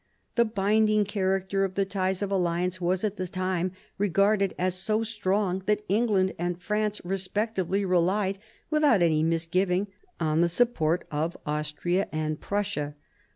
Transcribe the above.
The binding character of the ties of alliance was at the time regarded as so strong that England and France respectively relied, without any misgiving, on the support of Austria and Prussia.